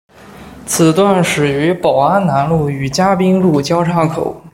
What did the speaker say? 此段始于宝安南路与嘉宾路交叉口。